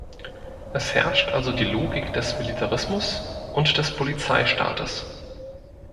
Es herrscht also die Logik des Militarismus und des Polizeistaates.